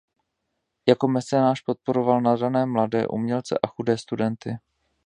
Jako mecenáš podporoval nadané mladé umělce a chudé studenty.